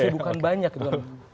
kesibukan banyak gitu kan